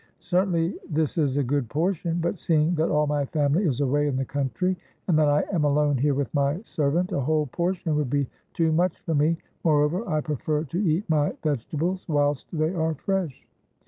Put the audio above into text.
" Certainly this is a good portion. But seeing that all my family is away in the country and that I am alone here with my servant, a whole portion would be too much for me. Moreover, I prefer to eat my vegetables whilst they are fresh."